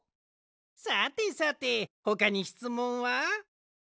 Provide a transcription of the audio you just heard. さてさてほかにしつもんは？